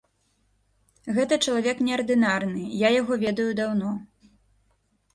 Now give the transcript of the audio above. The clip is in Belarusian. Гэта чалавек неардынарны, я яго ведаю даўно.